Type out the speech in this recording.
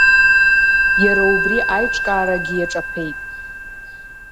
Иара убри аиҿкаарагьы иаҿаԥеит.